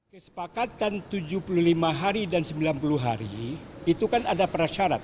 kesepakatan tujuh puluh lima hari dan sembilan puluh hari itu kan ada prasyarat